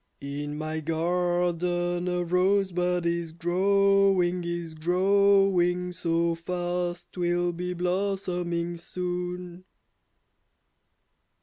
In my garden a rosebud is growing, is growing, So fast, 'twill be blossoming soon.